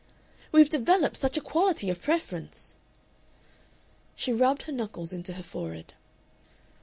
"We've developed such a quality of preference!" She rubbed her knuckles into her forehead.